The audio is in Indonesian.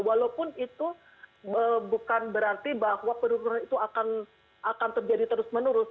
walaupun itu bukan berarti bahwa penurunan itu akan terjadi terus menerus